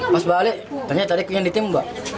pas balik ternyata tadi penyembak